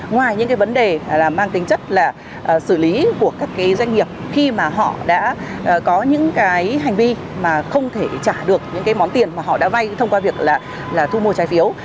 ngoài những cái vấn đề là mang tính chất là xử lý của các cái doanh nghiệp khi mà họ đã có những cái hành vi mà không thể trả được những cái món tiền mà họ đã vay thông qua việc là thu mua trái phiếu